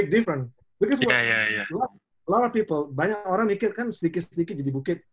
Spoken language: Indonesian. karena banyak orang banyak orang mereka kan sedikit sedikit jadi bukit